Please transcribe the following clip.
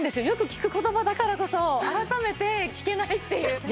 よく聞く言葉だからこそ改めて聞けないっていう。